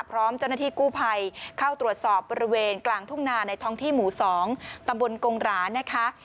พร้อมเจ้าหน้าที่กู้ภัยเข้าตรวจสอบบริเวณกลางทุ่งนาในท้องที่หมู่๒ตำบลกงหรานะคะ